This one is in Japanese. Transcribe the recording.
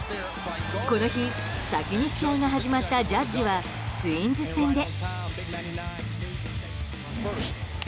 この日、先に試合が始まったジャッジはツインズ戦で。